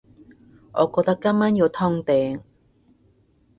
我覺得今晚要通頂